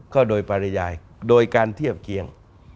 ก็โดยปริยายโดยการเทียบเคียง